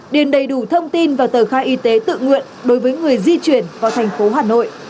điền đầy đủ thông tin và tờ khai y tế tự nguyện đối với người di chuyển vào thành phố hà nội